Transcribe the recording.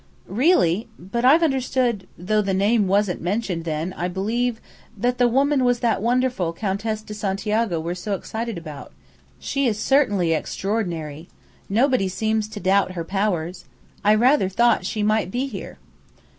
"Really? But I've understood though the name wasn't mentioned then, I believe that the woman was that wonderful Countess de Santiago we're so excited about. She is certainly extraordinary. Nobody seems to doubt her powers! I rather thought she might be here."